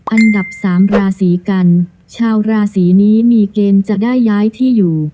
อันดับสามราศีกันชาวราศีนี้มีเกณฑ์จะได้ย้ายที่อยู่